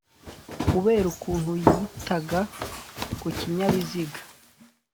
kubera ukuntu yitaga ku kinyabiziga